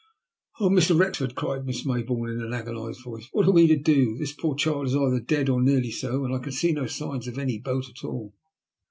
" Oh, Mr. Wrexford," cried Miss Mayboume, in an agonised voice. "What are we to do? This poor child is either dead, or nearly so, and I can see no signs of any boat at all."